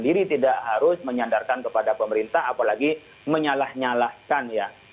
jadi tidak harus menyandarkan kepada pemerintah apalagi menyalah nyalahkan ya